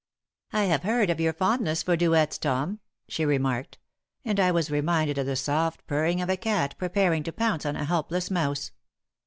"I have heard of your fondness for duets, Tom," she remarked, and I was reminded of the soft purring of a cat preparing to pounce on a helpless mouse.